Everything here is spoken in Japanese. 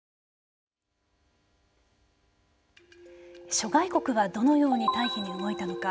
諸外国はどのように退避に動いたのか。